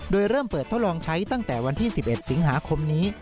โดยเริ่มเปิดทดลองใช้ตั้งแต่วันที่๑๑สิงหาคมนี้